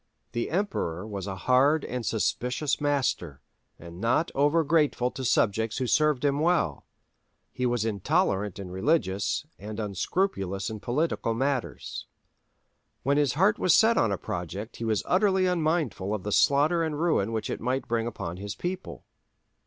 The Emperor was a hard and suspicious master, and not over grateful to subjects who served him well; he was intolerant in religious, and unscrupulous in political matters. When his heart was set on a project he was utterly unmindful of the slaughter and ruin which it might bring upon his people.